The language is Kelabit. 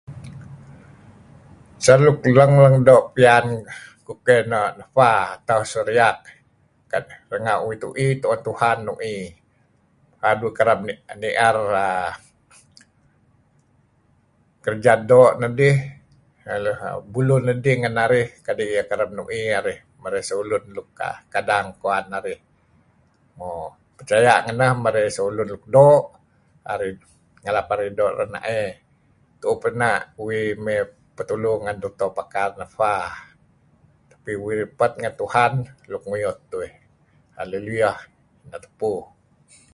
Saru; nuk doo' piyn kukeh nefa atau soriak renga' uh tui tuen Tuhan nui paad uih kereb nier kerda doo' Nedih buluh nedih ngan narih kadi' Ieh kereb nui narih sah ulun nuk kadang ngen narih. Mo percaya' ngeneh marey shlun nuk doo' marey narih doo' renaey tuuh pena' uih may prtulu ngen dutur nefa uih repat ngen Tuhan nguyut. uih. Haleluyah. Neh tupu.